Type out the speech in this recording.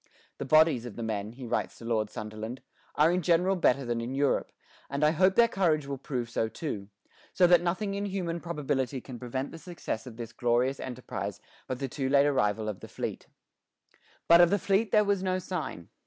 "The bodies of the men," he writes to Lord Sunderland, "are in general better than in Europe, and I hope their courage will prove so too; so that nothing in human probability can prevent the success of this glorious enterprise but the too late arrival of the fleet." But of the fleet there was no sign.